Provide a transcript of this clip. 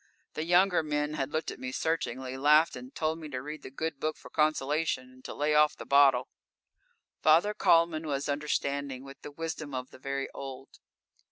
The younger men had looked at me searchingly, laughed and told me to read the Good Book for consolation, and to lay off the bottle. Father Kalman was understanding, with the wisdom of the very old.